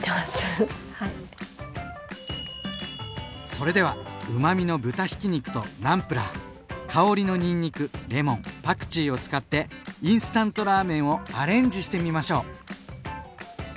それではうまみの豚ひき肉とナムプラー香りのにんにくレモンパクチーを使ってインスタントラーメンをアレンジしてみましょう！